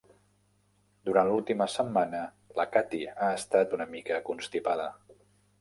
Durant l'última setmana, la Katie ha estat una mica constipada.